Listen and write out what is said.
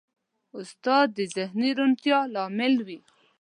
استاد د ذهني روڼتیا لامل وي.